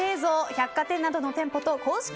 百貨店などの店舗と公式